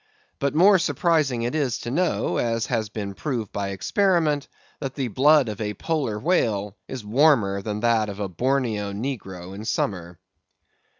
But more surprising is it to know, as has been proved by experiment, that the blood of a Polar whale is warmer than that of a Borneo negro in summer.